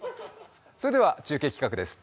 それでは中継企画です。